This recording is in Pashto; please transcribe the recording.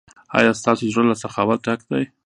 ایا ستاسو زړه له سخاوت ډک دی؟